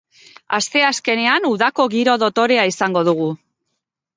Asteazkenean udako giro dotorea izango dugu.